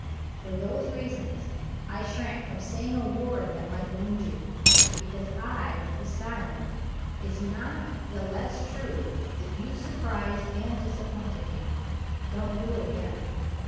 For those reasons I shrank from saying a word that might wound you. But, because I was silent, it is not the less true that you surprised and disappointed me. Don't do it again!